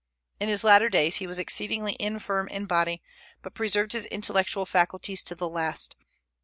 In his latter days he was exceedingly infirm in body, but preserved his intellectual faculties to the last.